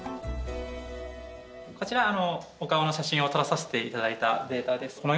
こちら、お顔の写真を撮らさせていただいたデータです。